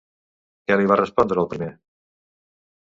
Què li va respondre el primer?